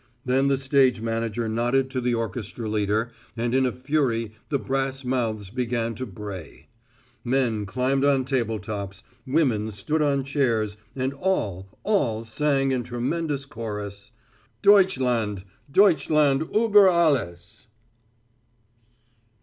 Then the stage manager nodded to the orchestra leader, and in a fury the brass mouths began to bray. Men climbed on table tops, women stood on chairs, and all all sang in tremendous chorus: "_Deutschland, Deutschland üeber alles!